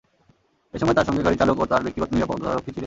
এ সময় তাঁর সঙ্গে গাড়ির চালক ও তাঁর ব্যক্তিগত নিরাপত্তারক্ষী ছিলেন।